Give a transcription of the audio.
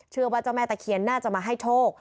เชื่อว่าเจ้าแม่ตะเคียนน่าจะมาให้โทษ